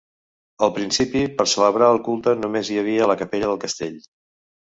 Al principi, per celebrar el culte només hi havia la capella del castell.